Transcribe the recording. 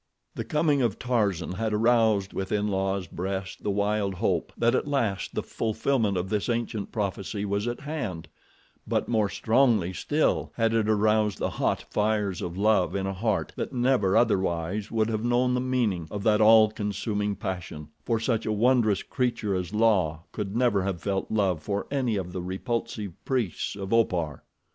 The coming of Tarzan had aroused within La's breast the wild hope that at last the fulfillment of this ancient prophecy was at hand; but more strongly still had it aroused the hot fires of love in a heart that never otherwise would have known the meaning of that all consuming passion, for such a wondrous creature as La could never have felt love for any of the repulsive priests of Opar.